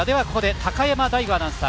高山大吾アナウンサー